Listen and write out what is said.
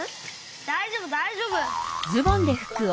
だいじょうぶだいじょうぶ！